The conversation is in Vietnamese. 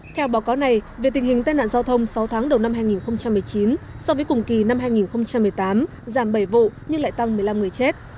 theo báo cáo này việc tình hình tai nạn giao thông sáu tháng đầu năm hai nghìn một mươi chín so với cùng kỳ năm hai nghìn một mươi tám giảm bảy vụ nhưng lại tăng một mươi năm người chết